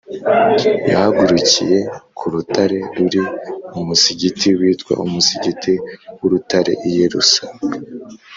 yahagurukiye ku rutare ruri mu musigiti witwa umusigiti w’urutare i yerusa